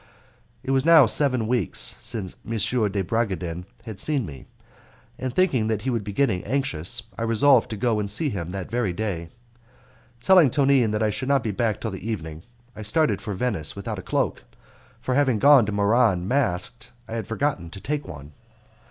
It was now seven weeks since M. de Bragadin had seen me, and thinking that he would be getting anxious I resolved to go and see him that very day. Telling Tonine that I should not be back till the evening, I started for Venice without a cloak, for having gone to Muran masked I had forgotten to take one.